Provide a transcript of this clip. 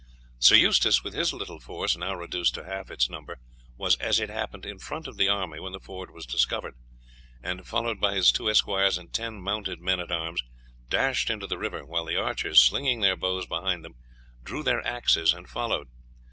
Sir Eustace, with his little force, now reduced to half its number, was, as it happened, in front of the army when the ford was discovered, and, followed by his two esquires and ten mounted men at arms, dashed into the river, while the archers, slinging their bows behind them, drew their axes and followed.